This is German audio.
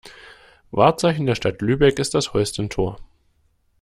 Wahrzeichen der Stadt Lübeck ist das Holstentor.